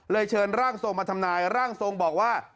เชิญร่างทรงมาทำนายร่างทรงบอกว่า